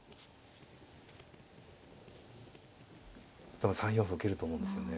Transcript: でも３四歩受けると思うんですよね。